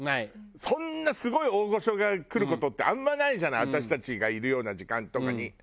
そんなすごい大御所が来る事ってあんまないじゃない私たちがいるような時間とかに。